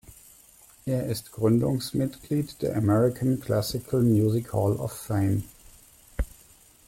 Er ist Gründungsmitglied der "American Classical Music Hall of Fame".